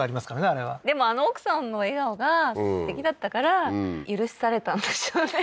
あれはでもあの奥さんの笑顔がすてきだったから許されたんでしょうね